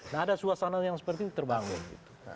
nah ada suasana yang seperti itu terbangun gitu